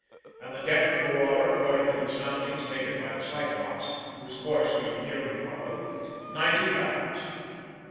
and the depth of the water according to the soundings taken by the Cyclops whose course we nearly followed ninety fathoms.